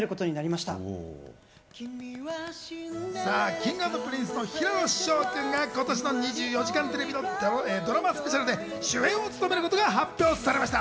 Ｋｉｎｇ＆Ｐｒｉｎｃｅの平野紫耀君が今年の『２４時間テレビ』のドラマスペシャルで主演を務めることが発表されました。